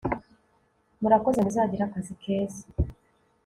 Murakoze muzagire akazi keza